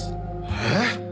えっ！？